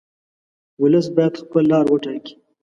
ولس باید خپله لار وټاکي.